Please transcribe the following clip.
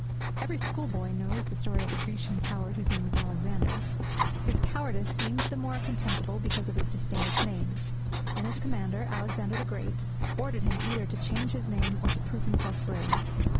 Every schoolboy knows the story of the Grecian coward whose name was Alexander. His cowardice seemed the more contemptible because of his distinguished name; and his commander, Alexander the Great, ordered him either to change his name or to prove himself brave.